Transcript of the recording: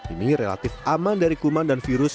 ini relatif aman dari kuman dan virus